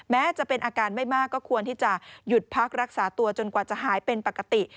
แม้จะเป็นอาการไม่มากก็ควรที่จะหยุดพักรักษาตัวจนกว่าจะหายเป็นปกติ